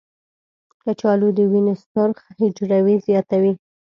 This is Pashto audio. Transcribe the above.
کچالو د وینې سرخ حجرې زیاتوي.